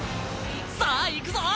さあ行くぞ！